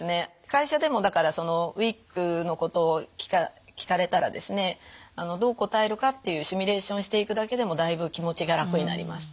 会社でもだからそのウイッグのことを聞かれたらですねどう答えるかっていうシミュレーションをしていくだけでもだいぶ気持ちが楽になります。